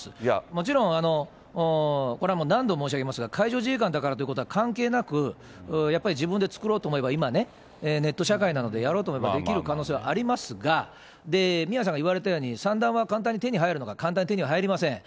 もちろんこれはもう何度も申し上げますが、海上自衛官だからということは関係なく、やっぱり自分で作ろうと思えば、今ね、ネット社会なので、やろうと思えばできる可能性はありますが、宮根さんが言われたように、散弾は簡単に手に入るのか、簡単には手に入りません。